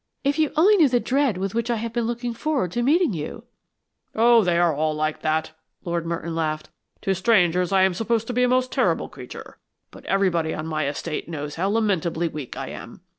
If you only knew the dread with which I have been looking forward to meeting you " "Oh, they are all like that," Lord Merton laughed. "To strangers, I am supposed to be a most terrible creature, but everybody on my estate knows how lamentably weak I am.